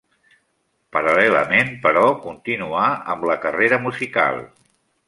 Paral·lelament, però, continuà amb la carrera musical.